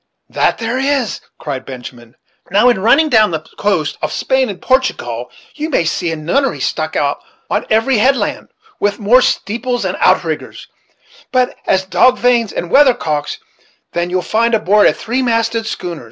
"That there is," cried Benjamin; "now, in running down the coast of Spain and Portingall, you may see a nunnery stuck out on every headland, with more steeples and outriggers such as dog vanes and weathercocks, than you'll find aboard of a three masted schooner.